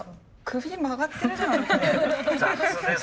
首曲がってるじゃないこれ。